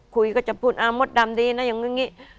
คุยก็จะพูดอามดดำดีนะอย่างนี้